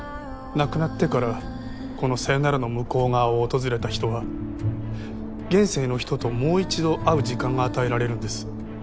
亡くなってからこのさよならの向う側を訪れた人は現世の人ともう一度逢う時間が与えられるんです。